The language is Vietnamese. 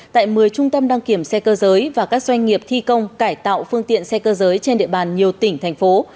tại một mươi trung tâm đăng kiểm xe cơ giới và các doanh nghiệp thi công cải tạo phương tiện xe cơ giới trên địa bàn nhiều tỉnh thành phố